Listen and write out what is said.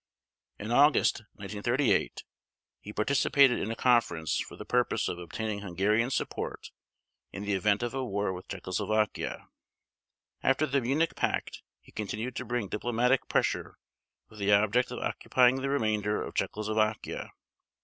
In August 1938 he participated in a conference for the purpose of obtaining Hungarian support in the event of a war with Czechoslovakia. After the Munich Pact he continued to bring diplomatic pressure with the object of occupying the remainder of Czechoslovakia.